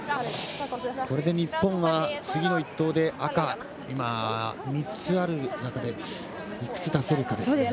これで日本は次の１投で赤３つあるうち、いくつ出せるか。